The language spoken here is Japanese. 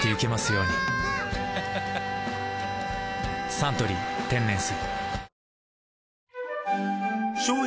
「サントリー天然水」